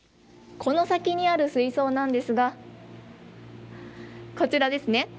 この先にある水槽なんですがこちらですね。